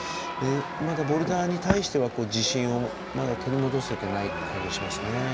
ボルダーに対しては、自信をまだ取り戻せていない感じがしますね。